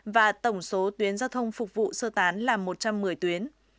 và tổng số tuyến giao thông phục vụ sơ tán là một trăm một mươi tuyến